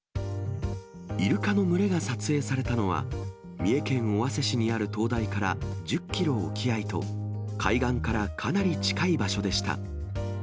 イルカの群れが撮影されたのは、三重県尾鷲市にある灯台から１０キロ沖合と、海岸からかなり近い場所でした。